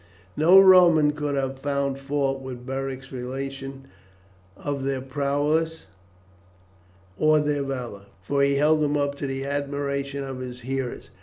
No Roman could have found fault with Beric's relation of their prowess or their valour; for he held them up to the admiration of his hearers.